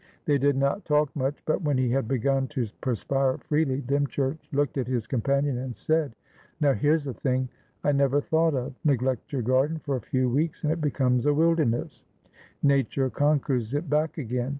They did not talk much, but, when he had begun to perspire freely, Dymchurch looked at his companion, and said: "Now here's a thing I never thought of. Neglect your garden for a few weeks, and it becomes a wilderness; nature conquers it back again.